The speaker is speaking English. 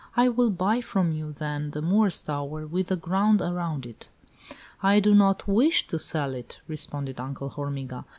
I will buy from you, then, the Moor's Tower with the ground around it." "I do not wish to sell it," responded Uncle Hormiga.